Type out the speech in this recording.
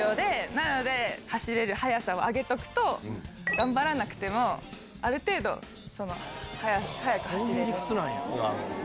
なので、走れる速さを上げとくと、頑張らなくても、ある程度、そういう理屈なんや。